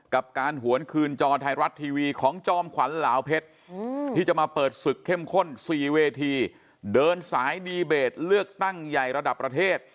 กับการหวนคืนจอไทยรัฐทีวีของจอมขวัญเหลาเพชรที่จะมาเปิดศึกเข้มข้น๔เวทีเดินสายดีเบตเลือกตั้งใหญ่ระดับประเทศ